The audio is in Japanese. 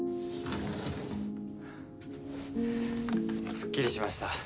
すっきりしました。